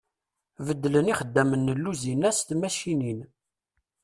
Beddlen ixeddamne n lewzin-a s tmacicin.